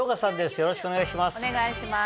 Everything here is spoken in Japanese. よろしくお願いします。